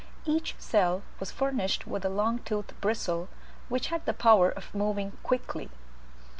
each cell was furnished with a long toothed bristle, which had the power of moving quickly.